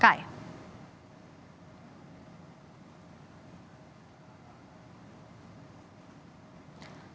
kepala penduduk ikn nusantara